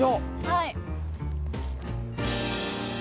はい。